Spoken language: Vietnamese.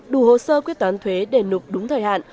đủ hồ sơ quyết toán thuế để nộp đúng thời hạn